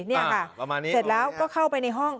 นี่ค่ะประมาณนี้เสร็จแล้วก็เข้าไปในห้อง